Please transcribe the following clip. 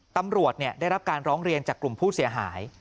ตำรวจได้รับการร้องเรียนจากกลุ่มผู้เสียหาย